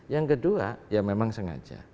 yang kedua ya memang sengaja